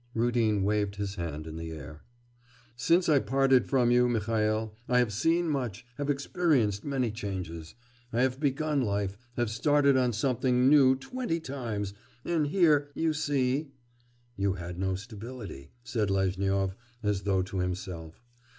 Rudin waved his hand in the air. 'Since I parted from you, Mihail, I have seen much, have experienced many changes.... I have begun life, have started on something new twenty times and here you see!' 'You had no stability,' said Lezhnyov, as though to himself.